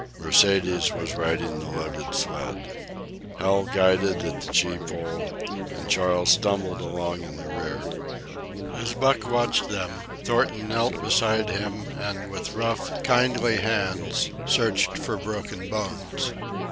Mercedes was riding the loaded sled. Hal guided at the gee pole, and Charles stumbled along in the rear. As Buck watched them, Thornton knelt beside him and with rough, kindly hands searched for broken bones.